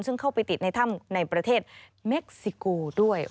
ซึ่งเข้าไปติดในถ้ำในประเทศเม็กซิโกด้วย